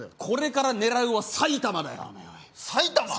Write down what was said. これから狙うは埼玉だよ。